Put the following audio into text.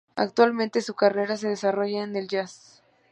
Actualmente su carrera se desarrolla en el jazz.